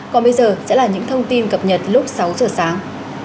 còn bây giờ sẽ là những thông tin cập nhật lúc sáu giờ sáng